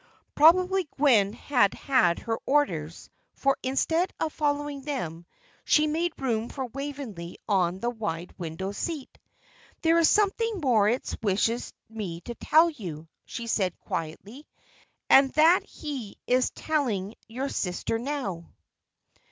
Probably Gwen had had her orders, for, instead of following them, she made room for Waveney on the wide window seat. "There is something Moritz wishes me to tell you," she said, quietly, "and that he is telling your sister now."